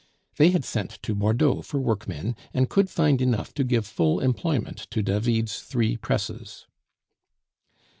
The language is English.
They had sent to Bordeaux for workmen, and could find enough to give full employment to David's three presses.